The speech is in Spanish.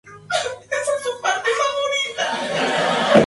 Finalmente, Willis dejó la escudería ese mismo año.